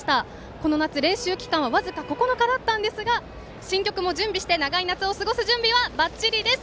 この夏、練習期間は僅か９日だったんですが新曲も準備して長い夏を過ごす準備はばっちりです。